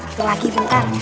itu lagi bentar